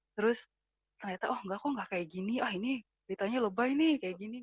terus ternyata oh enggak kok gak kayak gini ah ini beritanya lebay nih kayak gini